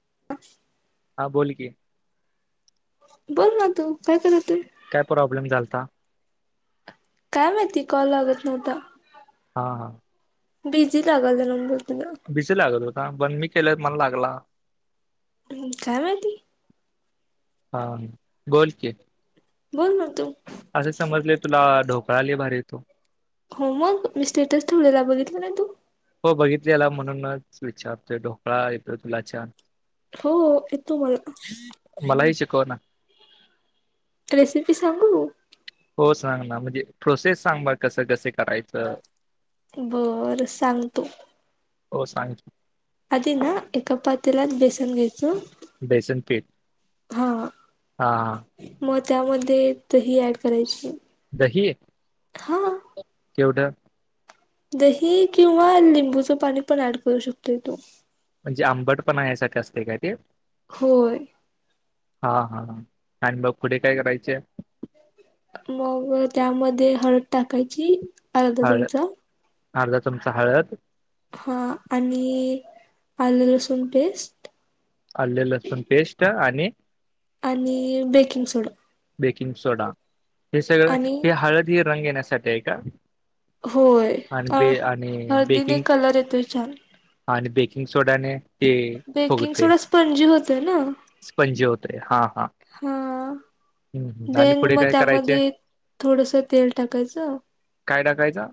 [unintelligible] हा बोल की बोल ना तू काय करतोय काय प्रॉब्लेम झालता काय माहिती कॉल लागत नव्हता. हा हां बिझी लागलता नंबर तुझा बिझि लागत होता, पण मी केलत मला लागला? काय माहिती? हा बोल की बोल ना तू असं समजले तुला ढोकळा लय भारी येतो. हो मग मी स्टेटस ठेवलेला, बघितलं नाही तू? हो बघितलीला म्हणूनच विचारतोय, ढोकळा येतोय तुला छान? हो, येतो मला मलाही शिकव ना रेसिपी सांगू? हो सांग ना, म्हणजे प्रोसेस सांग मग कसं कस करायचं? बर सांगतो. हो सांग. आधी ना एका पातेल्यात बेसन घ्यायचं. बेसन पीठ हा हा. मग त्यामध्ये दहि ऍड करायची. दही हां केवढ दही किंवा लिंबूचं पाणी पण ऍड करू शकतोय तो म्हणजे आंबट पना यायसाठी असतं काय ते? होय. हा हा आणि मग पुढे काय करायचे? मग त्यामध्ये हळद टाकायची? अर्धा हळद चमचा. अर्धा चमचा हळद हा आणि आलं लसूण पेस्ट आल्ल लसुण पेस्ट आणि? आणि बेकिंग सोडा? बेकिंग सोडा हे सगळं आणि हे हळदी रंग येण्यासाठी आहे का? होय आणि अ बे आणि हळदीने बेकिंग एक कलर येतोय छान? आणि बेकिंग सोड्याने? ते बेकिंग फुगते सोडा स्पंजी होतोय ना स्पंजे होते हा हा. हा हम्म हम्म. आणि देन पुढे मग काय करायचे त्यामध्ये थोडस तेल टाकायचं काय टाकायचं?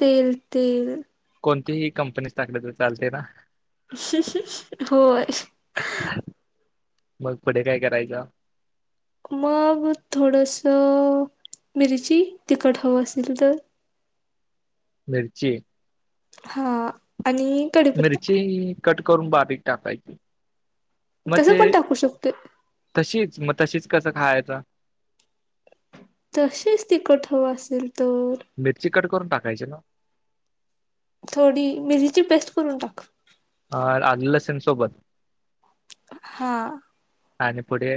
तेल तेल? कोणतीही कंपनीच टाकलं तर चालतंय ना? श होय. मग पुढे काय करायच? मग थोडस मिरची तिखट हवं असेल तर, मिरची. हा आणि- कडीपत्ता मिरची कट करून बारीक टाकायची. मग तसंच ते पण टाकू शकतोय. तशीच, मग तशीच कसं खायाचं? तशीच तिखट हवं असेल तर. मिरची कट करून टाकायची ना? थोडी मिरीची पेस्ट करून टाक. अ हाआजून लसूण सोबत. हा.. आणि पुढे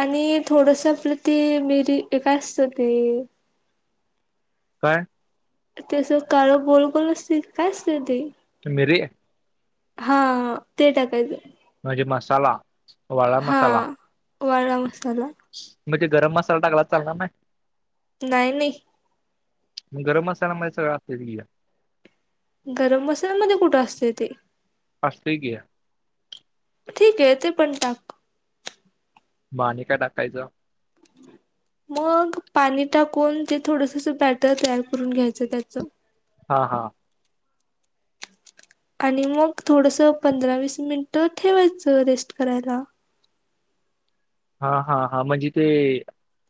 आणि थोडूस आपलं ते मिरी, काय असत ते? काय. ते असं काळं गोल-गोल असतंय ते काय असतंय ते. मिरी.. हा ते टाकायचं. म्हणजे मसाला. वाळा हां, वाळला मसाला. मग ते गरम मसाला टाकला तर चालणार नाही? नाही, नाही. गरम मसाल्यामध्ये सगळं असतंयच की ह्या. गरम मसाल्यांमध्ये कुठं असतंय ते? असतयं की हे. ठीक ये, ते पण टाक. म आणि काय टाकायचं. मग पाणी टाकून ते थोडसं असं बॅटर तयार करून घ्यायचं त्याच. हा, हा.. आणि मग थोडसं पंधरा-वीस मिनिट ठेवायचं रेस्ट करायला. हा, हा, हा... म्हणजे ते-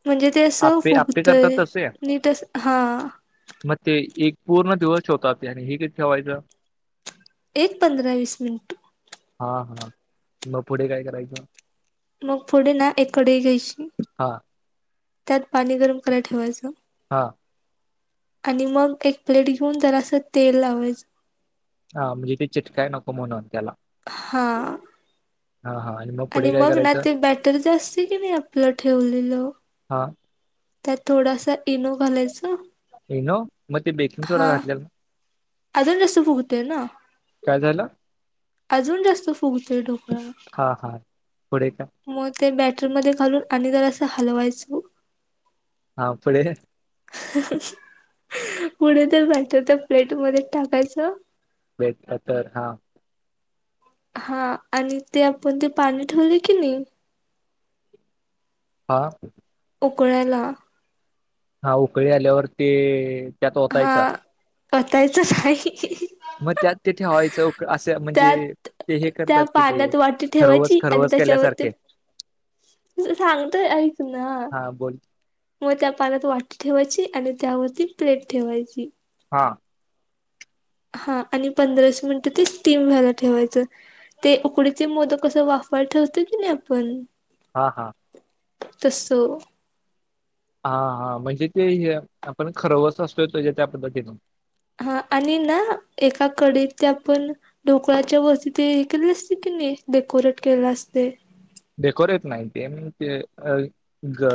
म्हणजे ते असं आप्पे आप्पे करतात फुगतंय, तसे नीटच हां... मग ते एक पूर्ण दिवस ठेवतात ते आणि हे किती ठेवायचं? एक पंधरा वीस मिनटं. हा, हां. मग पुढे काय करायचं? मग पुढे ना एक कढई घ्यायची, हा त्यात पाणी गरम कराय ठेवायच हां.. आणि मग एक प्लेट घेऊन जरासं तेल लावायचं. हा म्हणजे ते चिटकाय नको म्हणून त्याला. हां.. हा, हा. आणि मग. आणि पुढे काय मग ना करायचं ते बॅटर जे असतंय की नाही आपलं ठेवलेलं हा.. त्यात थोडासं इनो घालायचा, इनो! मग ते बेकिंग सोडा हा घातलेला ना. अजून जास्त फुगतंय ना, काय झालं अजून जास्त फुगतोय ढोक हा हा पुढे काय? मग ते बॅटर मध्ये घालून आणि जरासं हलवायचं. हा पुढे? पुढे ते बॅटर त्या प्लेट मध्ये टाकायचं. प्लेट नंतर हा. हा आणि ते आपण ते पाणी ठेवलय की नई हा. उकळायला. हा उकळी आल्यावर ते त्यात हा ओतायचा वतायचच हाई. मग त्यात ते ठेवायचं असं म्हणजे त्यात ते हे त्या करतात कि ते. पाण्यात वाटी खरवस ठेवायची आणि खरवस त्याच्यावरती केल्यासारखे त सांगतोय ऐक ना. हा बोल मग त्या पाण्यात वाटी ठेवायची आणि त्यावरती प्लेट ठेवायची. हां. हा आणि पंधरा, वीस मिनिटं ते स्टीम व्हायला ठेवायचं. ते उकडीचे मोदक कसं वाफवाय ठेवतोय की नाय आपण हां हां. तसं. हा हा म्हणजे ते हे आपण खरवस असतोय तज्या त्या पद्धतीनं. हा आणि ना एका कढईत ते आपण ढोकळ्याच्या वरती ते हे केलेल असतय की नाही डेकोरेट केलेल असतय. डेकोरेट नाई ते ते अ ग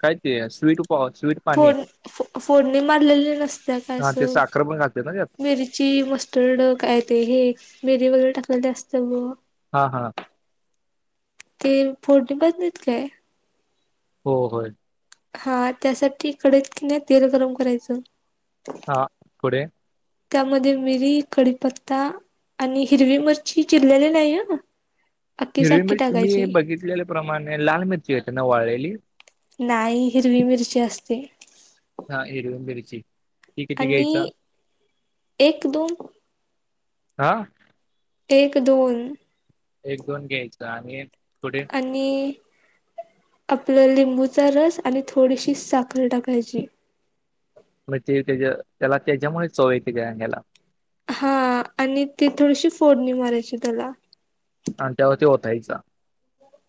काय ते स्वीट उपा स्वीट पाणी फोड-फोडणी मारलेली नसत्याय काय हा अस ते साखर पण घालते ना त्यात मिरची मस्त स्टरड काय ते हे मिरी वगैरे टाकलेल ते असतय बघ. हा हा. ते फोडणी म्हणत नाहीत काय? हो होय. हा त्यासाठी कढईत की नाय तेल गरम करायचं. हा पुढे. त्यामध्ये मिरी, कडीपत्ता आणि हिरवी मिरची चिरलेली नाई हं. हिरवी मिरची मी बघितलेल्या प्रमाणे लाल मिरची होते ना वाळलेली. नाही हिरवी मिरची असते. हा हिरवी मिरची ती किती घेयच? आणि एक दोन आं? एक, दोन. एक दोन घ्यायचा आणि पुढे. आणि आपलं लिंबूचा रस आणि थोडीशी साखर टाकायची. मग ते त्याझ त्याला तेच्यामुळच चव येत्या काय ह्याला? हां आणि ती थोडीशी फोडणी मारायची त्याला. आन त्यावर ते ओतायचा.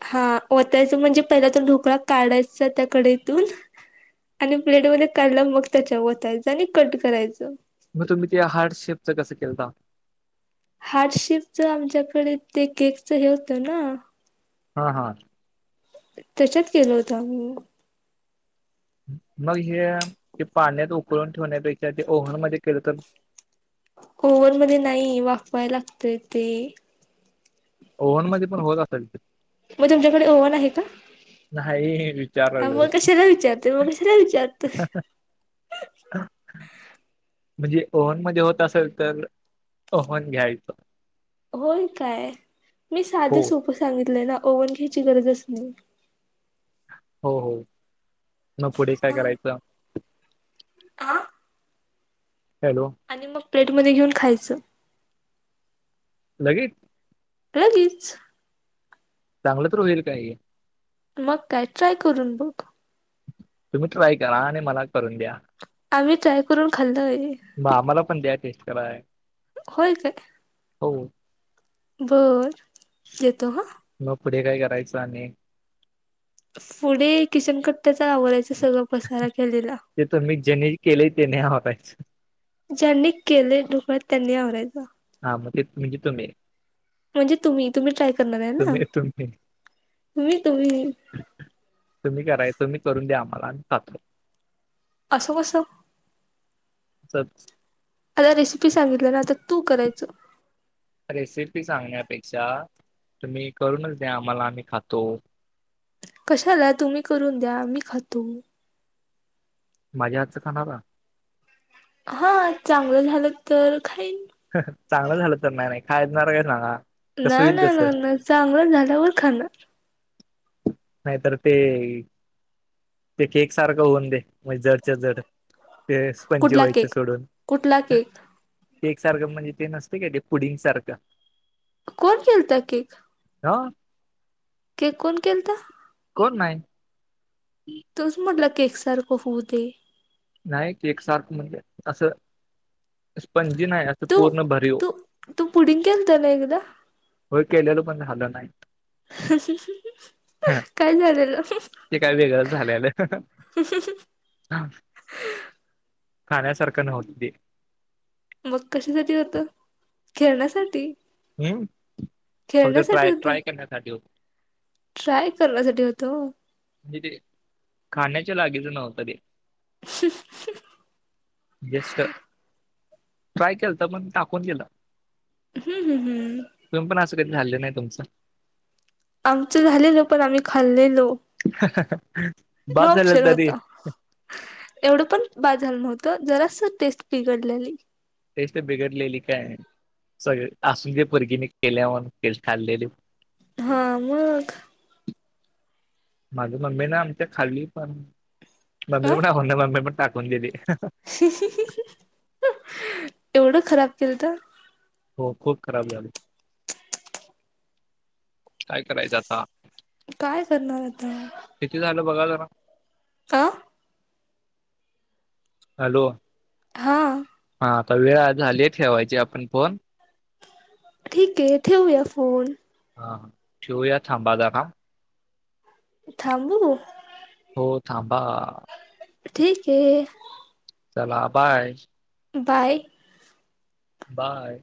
हा वतायचं म्हणजे पहिला तो ढोकळा काढायचा त्या कडईतून. आणि प्लेटमध्ये काढला मग त्याच्या वतायचं आणि कट करायचं. मग तुम्ही ते हार्ट शेपच कसं केलताव? हार्टशेपच आमच्याकडे ते केकचं हे होतं ना. हां हां. त्याच्यात केल होत आम्ही. मग हे ते पाण्यात उकळून ठेवण्यापेक्षा ते ओव्हन मध्ये केलं तर? ओव्हन मध्ये नाही वाफवाय लागतंय ते. ओव्हन मध्ये पण होत असेल की. मग तुमच्याकडे ओव्हन आहे का? नाही! आं विचारलोय मग कशाला विचारतो मग कशाला विचारतो? [inaudible] म्हणजे ओव्हन मधे होत असेल तर ओव्हन घ्यायचं. होय काय! मी साधं हो सोपं सांगितलंय ना ओव्हन घ्यायची गरजच नाही. हो हो मग पुढे करायचं. आं? हॅलो! आणि मग प्लेट मध्ये घेऊन खायच. लगेच! लगेच! चांगल तर होईल काय हे? मग काय ट्राय करून बघ! तुम्ही ट्राय करा आणि मला करून द्या. आम्ही ट्राय करून खाल्लोय. मग आम्हाला पण द्या टेस्ट कराय. होय काय! हो. बरं येतो हां. मग पुढे काय करायचं आणि? पुढे किचन कट्टाचा आवरायचं सगळं पसारा केलेला. ते तुम्ही ज्यांनी केलंय तेनी आवरायचं. ज्यांनी केलय डुकळत त्यांनी आवरायचं. हां मग तेच म्हणजे तुम्ही! म्हणजे तुम्ही तुम्ही ट्राय करणार आहे ना तुम्ही तुम्ही. तुम्ही कराय तुम्ही करून द्या आम्हाला आम्ही खातो. असं कसं? असंच आता रेसिपी सांगितल ना आता तू करायचं! रेसिपी सांगण्यापेक्षा तुम्ही करूनच द्या आम्हाला आम्ही खातो. कशाला तुम्ही करून द्या मी खातो. माझ्या हातचं खाणारा? हां चांगलं झालं तर खाईन. चांगलं झालं तर नाही नाही खाणार आहे काय सांगा! ना कसं होईल ना तसं ना ना चांगलं झाल्यावर खाणार. नाहीतर ते ते केक सारखं होऊन दे म्हणजे जडच्या जड ते पण जे कुठला व्हायचे केक? सोडून कुठला केक केक सारखं म्हणजे ते नसते काय ते पुडिंग सारखं. कोण केलता केक? [unintelligible] केक कोण केलता? कोण नाही. तुच म्हटला केक सारखं होऊ दे. नाही केक सारख म्हणजे असं स्पंजी नाही असं तू पूर्ण भरीव तू तू पुडिंग केलता ना एकदा? हो केलेलं पण झालं नाही. काय झालेलं. आल्या आल्या खाण्यासारखं नव्हत ते मग कशासाठी होत, खेळण्यासाठी हम्म, पण ते खेळण्यासाठी ट्राय होतं. ट्राय करण्यासाठी होतं. ट्राय करण्यासाठी होत ओ म्हणजे ते खाण्याच्या लागीच नव्हतं ते [unintelligible] गेस्ट ट्राय केलता पण टाकून दिल. हम्म हम्म हम्म तुम्हीपण अस कधी झाल नाही तुमचं आमचं झालेल पण आम्ही खाल्लेलो. [unintelligible] नो झालेल ऑप्शन होत. तरी एवढं पण बाद झालं नव्हतं जरास टेस्ट बिघडलेली. टेस्ट बिघडलेली काय? सगळे असू दे पोरगीने केल्या म्हणून ते खाल्लेली. हा मग माझ मम्मी ना आमच्या खाली पण अ मम्मीला पण आवडलं मम्मी पण टाकून दिली. एवढं खराब केलत. हो, खूप खराब झाले. काय करायचं आता काय करणार आता? किती झालं बघा जरा अ हॅलो. हां. हा आता वेळ झालीच ठेवायची आपण फोन ठीक ये ठेऊया फोन हा, ठेवूया थांबा जरा थांबू हो थांबा. ठीक ये. चला बाय. बाय. बाय.